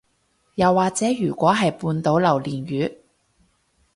又或者如果係半島榴槤月